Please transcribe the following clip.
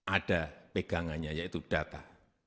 ada pegangannya yaitu data